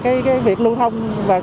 cái việc lưu thông